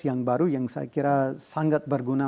yang baru yang saya kira sangat berguna